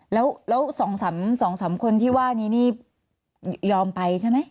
แล้ว๒๓คนที่ว่านี้นี่ยอมไปใช่ไหม